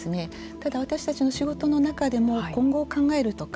ただ、私たちの仕事の中でも今後を考えるとか